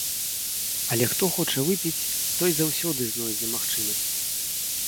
Але хто хоча выпіць, той заўсёды знойдзе магчымасць.